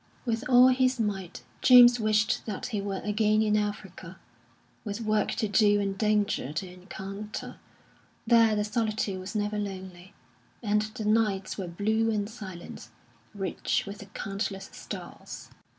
With all his might James wished that he were again in Africa, with work to do and danger to encounter. There the solitude was never lonely, and the nights were blue and silent, rich with the countless stars.